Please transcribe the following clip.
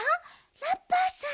ラッパーさん。